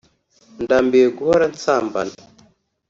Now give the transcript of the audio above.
ndambiwe guhora nsambana